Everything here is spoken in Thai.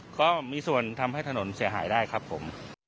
ก็มีส่วนทำให้ถนนเสียหายได้ครับผม